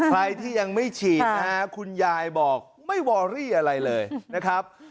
ใครที่ยังไม่ฉีดนะฮะคุณยายบอกไม่วอรี่อะไรเลยนะครับ